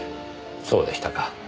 そうでしたか。